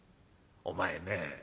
「お前ね